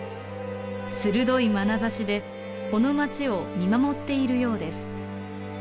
鋭いまなざしでこの町を見守っているようです。